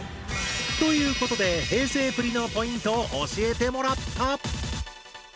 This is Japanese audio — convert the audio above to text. ということで平成プリのポイントを教えてもらった。